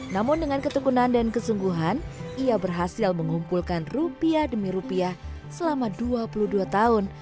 namun dengan ketekunan dan kesungguhan ia berhasil mengumpulkan rupiah demi rupiah selama dua puluh dua tahun